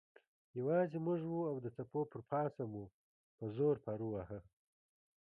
یوازې موږ وو او د څپو پر پاسه مو په زور پارو واهه.